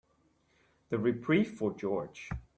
The reprieve for George.